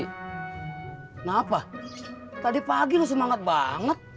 kenapa tadi pagi lu semangat banget